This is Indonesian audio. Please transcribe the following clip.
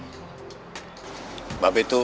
hai babi tuh